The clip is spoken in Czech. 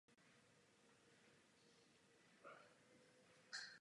To je svým způsobem past na celý život.